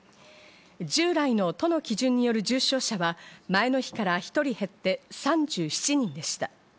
従来の都の基準による重症者は、前の日から１人減って３７人でした。